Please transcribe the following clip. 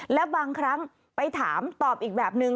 แล้วบางครั้งไปถามตอบอีกแบบนึง